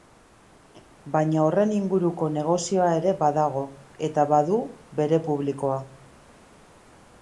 Baina horren inguruko negozioa ere badago eta badu bere publikoa.